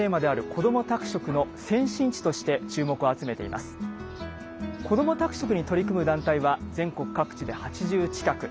「こども宅食」に取り組む団体は全国各地で８０近く。